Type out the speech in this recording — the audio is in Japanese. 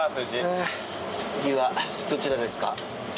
次はどちらですか？